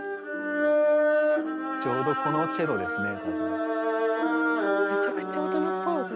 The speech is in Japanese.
ちょうどこのチェロですね。